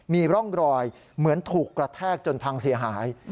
มีร่องรอยเหมือนถูกกระแทกจนพังเสียหาย